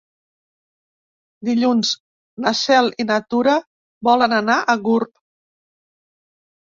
Dilluns na Cel i na Tura volen anar a Gurb.